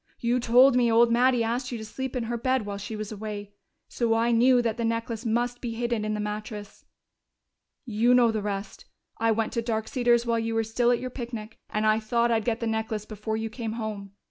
You told me old Mattie asked you to sleep in her bed while she was away. So I knew that the necklace must be hidden in the mattress.... "You know the rest. I went to Dark Cedars while you were still at your picnic, and I thought I'd get the necklace before you came home.